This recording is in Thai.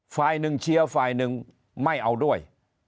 ฝ่ายหนึ่งเชียร์ฝ่ายหนึ่งไม่เอาด้วย